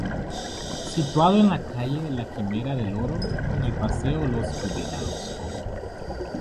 Situado en la calle La Quimera del Oro con el Paseo Los Olvidados.